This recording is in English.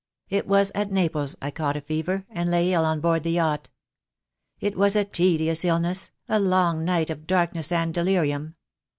It was at Naples I caught a fever, and lay ill on board the yacht. It was a tedious illness, a long night of darkness and delirium.